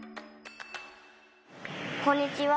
こんにちは。